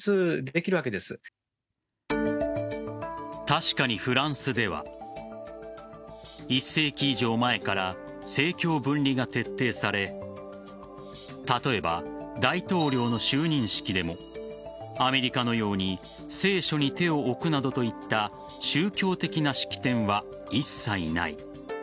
確かにフランスでは１世紀以上前から政教分離が徹底され例えば、大統領の就任式でもアメリカのように聖書に手を置くなどといった宗教的な式典は一切ない。